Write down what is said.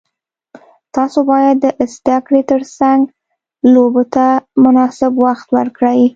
تاسو باید د زده کړې ترڅنګ لوبو ته مناسب وخت ورکړئ.